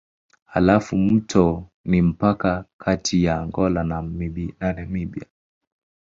Halafu mto ni mpaka kati ya Angola na Namibia.